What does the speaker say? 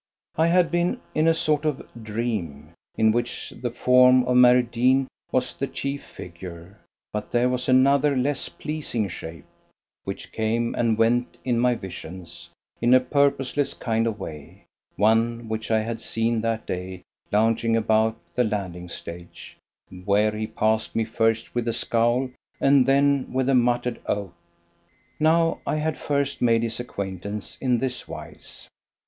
I had been in a sort of dream, in which the form of Mary Deane was the chief figure, but there was another less pleasing shape, which came and went in my visions in a purposeless kind of way, one which I had seen that day lounging about the landing stage, where he passed me first with a scowl and then with a muttered oath. Now, I had first made his acquaintance in this wise.